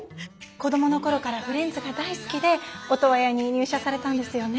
子どもの頃からフレンズが大好きでオトワヤに入社されたんですよね。